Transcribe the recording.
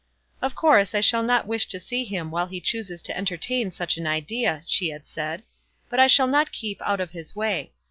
"Of course I shall not wish to see him while he chooses to entertain such an idea," she had said, "but I shall not keep out of his way.